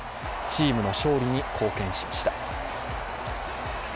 チームの勝利に貢献しました。